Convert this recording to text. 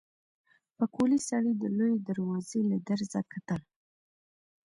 پکولي سړي د لويې دروازې له درزه کتل.